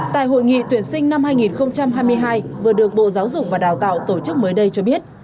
tại hội nghị tuyển sinh năm hai nghìn hai mươi hai vừa được bộ giáo dục và đào tạo tổ chức mới đây cho biết